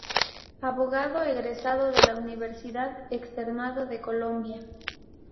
Abogado egresado de la Universidad Externado de Colombia.